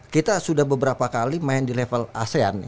kita sudah beberapa kali main di level asean